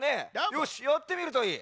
よしやってみるといい。